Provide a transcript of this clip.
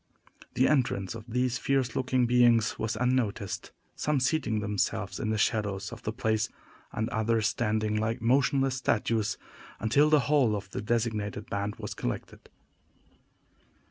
The entrance of these fierce looking beings was unnoticed: some seating themselves in the shadows of the place, and others standing like motionless statues, until the whole of the designated band was collected.